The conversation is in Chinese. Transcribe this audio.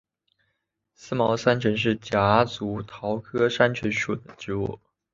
思茅山橙是夹竹桃科山橙属的植物。